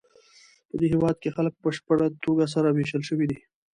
پدې هېواد کې خلک په بشپړه توګه سره وېشل شوي دي.